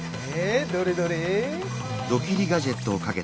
どれどれ？